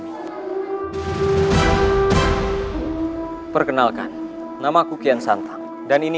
gerahkan seluruh kemampuan